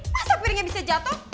masa piringnya bisa jatuh